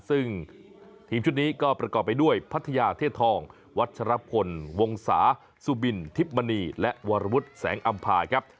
ซึ่งทีมชุดนี้ก็ประกอบไปด้วยพัทยาเทศทองวัชรพลวงศาสุบินทิพมณีและวรวุฒิแสงอำภาครับ